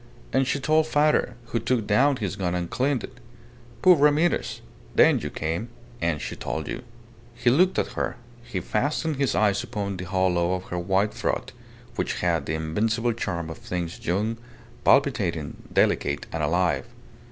And she told father, who took down his gun and cleaned it. Poor Ramirez! Then you came, and she told you." He looked at her. He fastened his eyes upon the hollow of her white throat, which had the invincible charm of things young, palpitating, delicate, and alive.